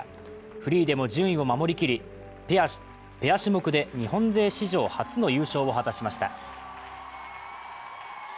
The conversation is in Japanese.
フリーでも順位を守りきりペア種目で日本勢史上初の優勝を果たしました。